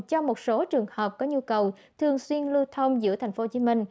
cho một số trường hợp có nhu cầu thường xuyên lưu thông giữa tp hcm